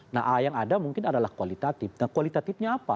nah yang ada mungkin adalah kualitatif nah kualitatifnya apa